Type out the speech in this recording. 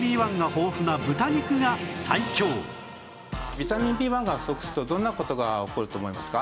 ビタミンＢ１が不足するとどんな事が起こると思いますか？